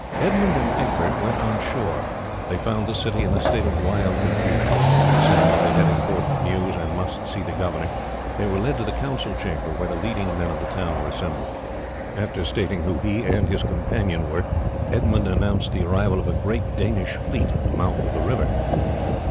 Edmund and Egbert went on shore. They found the city in a state of wild confusion. Saying that they had important news, and must see the governor, they were led to the council chamber, where the leading men of the town were assembled. After stating who he and his companion were, Edmund announced the arrival of a great Danish fleet at the mouth of the river.